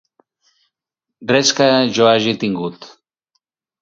Res que jo hagi tingut.